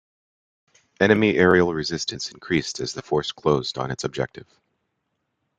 Enemy aerial resistance increased as the force closed its objective.